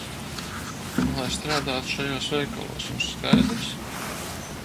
Un lai strādātu šajos veikalos, jums skaidrs?